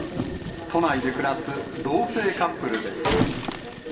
都内で暮らす同性カップルです。